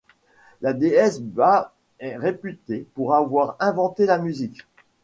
La déesse Bat est réputée pour avoir inventé la musique.